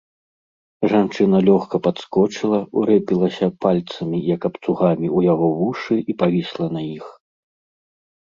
Жанчына лёгка падскочыла, урэпілася пальцамі, як абцугамі, у яго вушы і павісла на іх.